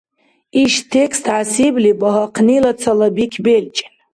Иш текст хӀясибли багьахънила цалабик белкӀен